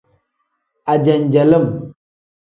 Ajenjelim.